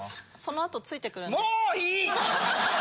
もういい！